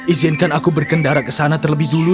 izinkan aku berkendara ke sana terlebih dulu